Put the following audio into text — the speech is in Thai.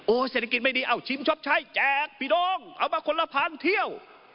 โอ้เศรษฐกิจไม่ดีเอ้าชิมชอบชัยแจกปิดองเอามาคนละพันเที่ยว